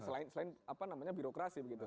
selain apa namanya birokrasi begitu